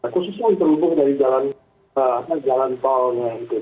khususnya terhubung dari jalan jalan tolnya